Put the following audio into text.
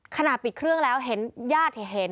ขณะปิดเครื่องแล้วเห็นญาติเห็น